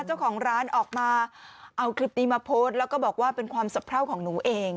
เจ้าของร้านออกมาเอาคลิปนี้มาโพสต์แล้วก็บอกว่าเป็นความสะเพราของหนูเอง